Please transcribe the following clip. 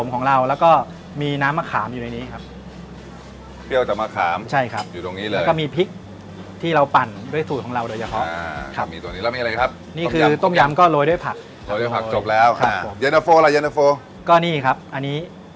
ครับผมสั่งเมนูแล้วกัน